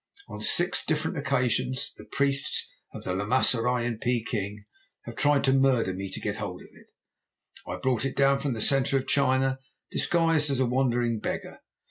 On six different occasions the priests of the Llamaserai in Peking have tried to murder me to get hold of it. I brought it down from the centre of China disguised as a wandering beggar.